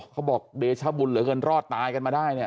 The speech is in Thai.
บอกเดชบุญเหลือเกินรอดตายกันมาได้เนี่ย